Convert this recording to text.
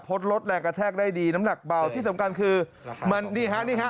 ลดแรงกระแทกได้ดีน้ำหนักเบาที่สำคัญคือมันนี่ฮะนี่ฮะ